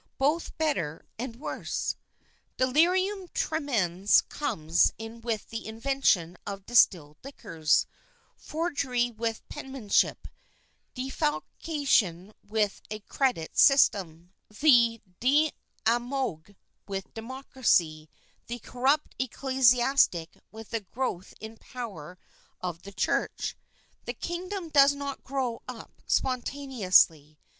Both better and worse. Delirium tremens comes in with the invention of distilled liquors ; forgery with penmanship ; defalcation with a credit system ; the demagogue with democracy ; the corrupt ecclesiastic with the growth in power of the Church. This kingdom does not grow up sponta neously.